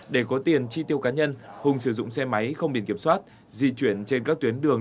để có tiền chi tiêu cá nhân hùng sử dụng xe máy không biển kiểm soát di chuyển trên các tuyến đường